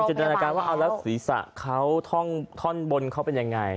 กำลังจัดหน้าการว่าแล้วศีรษะเขาท่อนบนเขาเป็นยังไง